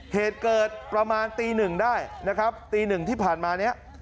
เหตุเกิดประมาณตี๑ได้นะครับตี๑ที่ผ่านมานี้